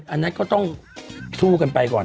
อันนั้นก็ต้องสู้กันไปก่อน